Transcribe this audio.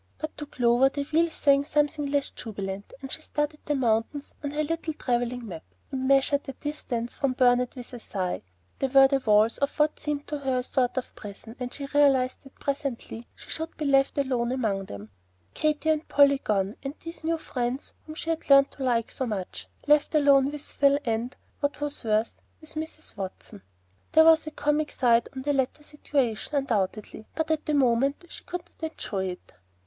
But to Clover the wheels sang something less jubilant, and she studied the mountains on her little travelling map, and measured their distance from Burnet with a sigh. They were the walls of what seemed to her a sort of prison, as she realized that presently she should be left alone among them, Katy and Polly gone, and these new friends whom she had learned to like so much, left alone with Phil and, what was worse, with Mrs. Watson! There was a comic side to the latter situation, undoubtedly, but at the moment she could not enjoy it.